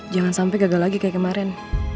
jangan sampai gagal lagi kayak kemarin